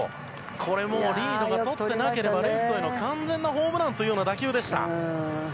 これはもう、リードがとってなければレフトへの完全なホームランという打球でした。